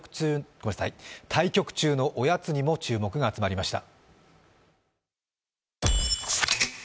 対局中のおやつにも注目が集まりました。